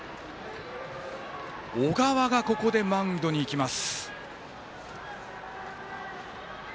小川がここでマウンドに行きます。